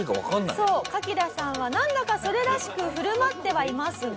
「そうカキダさんはなんだかそれらしく振る舞ってはいますが」